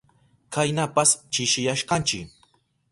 Kaynapas chishiyashkanchi.